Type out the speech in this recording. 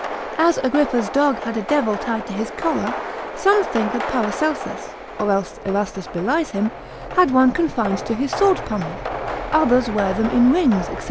As Agrippa's dog had a devil tied to his collar; some think that Paracelsus (or else Erastus belies him) had one confined to his sword pummel; others wear them in rings, &c.